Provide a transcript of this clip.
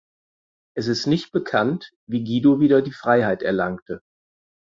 Es ist nicht bekannt wie Guido wieder die Freiheit erlangte.